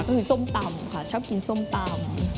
ก็คือส้มตำค่ะชอบกินส้มตำ